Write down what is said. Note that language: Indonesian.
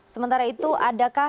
sementara itu adakah